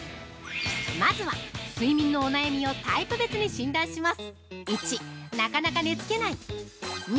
まずは、睡眠のお悩みをタイプ別に診断します。